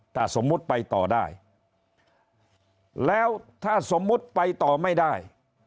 ถ้าสมมุติไปต่อได้แล้วถ้าสมมุติไปต่อไม่ได้